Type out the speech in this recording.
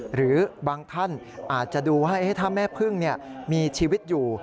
หรือบางท่านอาจจะดูว่าถ้าแม่พึ่งมีชีวิตอยู่